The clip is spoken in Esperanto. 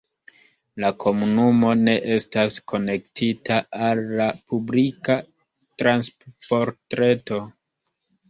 La komunumo ne estas konektita al la publika transportreto.